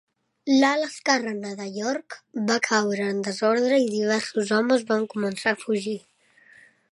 L'ala esquerrana de York va caure en desordre i diversos homes van començar a fugir.